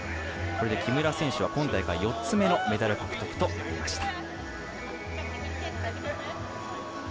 これで木村選手は今大会４つ目のメダル獲得となりました。